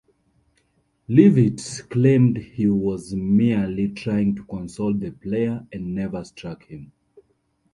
Leavitt claimed he was merely trying to console the player and never struck him.